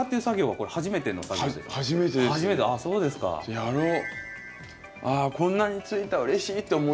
やろう。